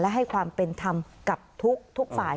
และให้ความเป็นธรรมกับทุกษ์ทุกศาล